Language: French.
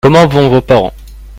Comment vont vos parents ?